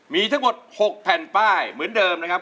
มีทั้งหมด๖แผ่นป้ายเหมือนเดิมนะครับ